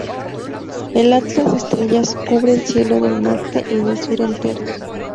El Atlas de Estrellas cubre el cielo del norte y del sur enteros.